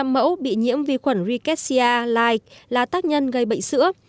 một trăm linh mẫu bị nhiễm vi khuẩn rickettsia laic là tác nhân gây bệnh sữa